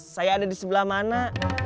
saya ada di sebelah mana